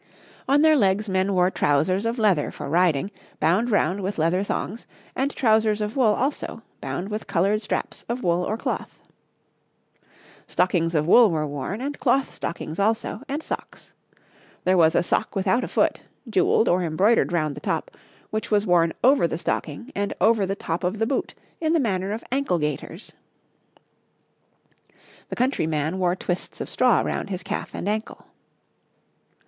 On their legs men wore trousers of leather for riding, bound round with leather thongs, and trousers of wool also, bound with coloured straps of wool or cloth. [Illustration: {A man of the time of Stephen; an alternative hat for a man}] Stockings of wool were worn, and cloth stockings also, and socks. There was a sock without a foot, jewelled or embroidered round the top, which was worn over the stocking and over the top of the boot in the manner of ankle gaiters. The country man wore twists of straw round his calf and ankle.